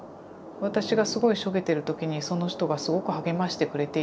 私がすごいしょげてる時にその人がすごく励ましてくれていたりだとか。